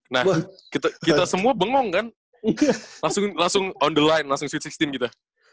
nah kita semua bengong kan langsung on the line langsung sweet enam belas gitu